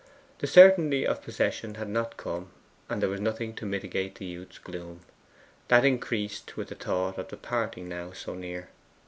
The certainty of possession had not come, and there was nothing to mitigate the youth's gloom, that increased with the thought of the parting now so near.